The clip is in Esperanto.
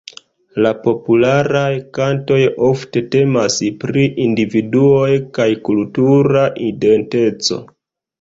La popularaj kantoj ofte temas pri individuoj kaj kultura identeco.